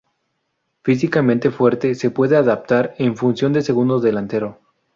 Físicamente fuerte, se puede adaptar en función de segundo delantero.